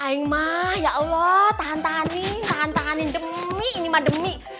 aing mak ya allah tahan tahanin tahan tahanin demi ini mah demi